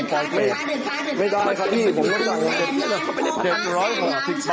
ช่วยตัวเองหน่อยสิคะเดินออกประตูไปค่ะ